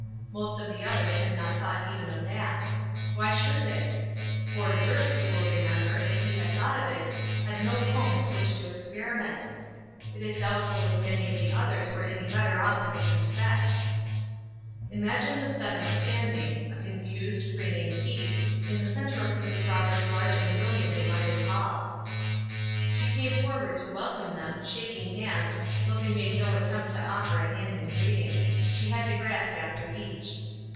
Most of the others had not thought even of that. Why should they? Poor Dirk, you will remember, if he had thought of it, had no comb with which to experiment. It is doubtful if many of the others were any better off in this respect. Imagine the seven standing, a confused, grinning, heap, in the centre of Mrs. Roberts' large and brilliantly lighted hall! She came forward to welcome them, shaking hands, though they made no attempt to offer a hand in greeting. She had to grasp after each.